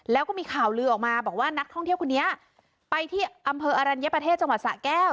แล้วก็มีข่าวลือออกมาบอกว่านักท่องเที่ยวคนนี้ไปที่อำเภออรัญญประเทศจังหวัดสะแก้ว